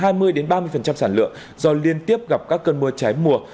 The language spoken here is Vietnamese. từ hai mươi đến ba mươi sản lượng do liên tiếp gặp các cơn mưa trái mùa